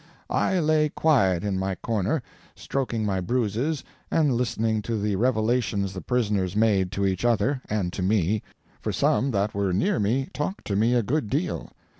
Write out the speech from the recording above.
I lay quiet in my corner, stroking my bruises and listening to the revelations the prisoners made to each other—and to me—for some that were near me talked to me a good deal.